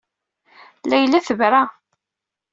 Layla tebra.